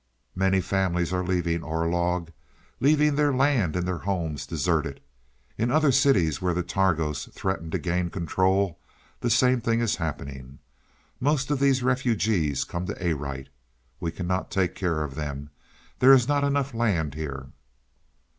"Many families are leaving Orlog leaving their land and their homes deserted. In other cities where the Targos threaten to gain control the same thing is happening. Most of these refugees come to Arite. We cannot take care of them; there is not enough land here."